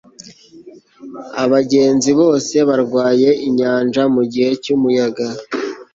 abagenzi bose barwaye inyanja mugihe cyumuyaga